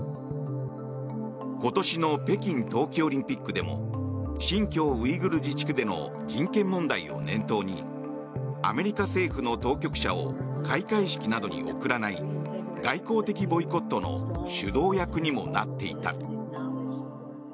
今年の北京冬季オリンピックでも新疆ウイグル自治区での人権問題を念頭にアメリカ政府の当局者を開会式などに送らない外交的ボイコットの主導役にもなっていた。